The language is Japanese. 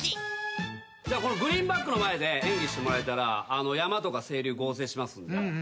じゃこのグリーンバックの前で演技してもらえたら山とか清流合成しますんで。